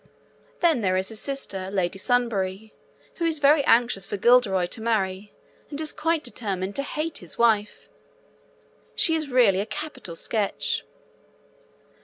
Then there is his sister Lady Sunbury, who is very anxious for Guilderoy to marry, and is quite determined to hate his wife. She is really a capital sketch.